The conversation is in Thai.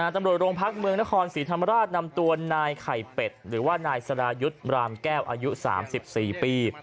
ตำรวจโรงพักเมืองนครศรีธรรมราชนำตัวนายไข่เป็ดหรือว่านายสรายุทธ์รามแก้วอายุ๓๔ปี